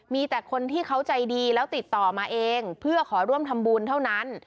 มีแต่คนที่เขาใจดีแล้วติดต่อมาเองเพื่อขอร่วมทำบุญเท่านั้น